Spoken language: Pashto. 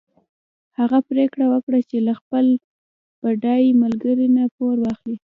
هغه پرېکړه وکړه چې له خپل بډای ملګري نه پور واخلي.